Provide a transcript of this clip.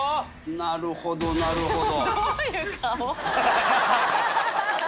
なるほどなるほど。